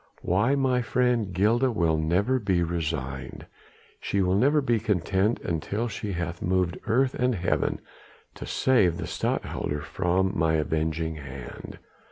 Why, my friend, Gilda will never be resigned, she will never be content until she hath moved earth and heaven to save the Stadtholder from my avenging hand!"